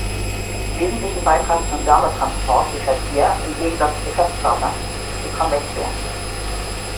Wesentlichen Beitrag zum Wärmetransport liefert hier, im Gegensatz zu Festkörpern, die Konvektion.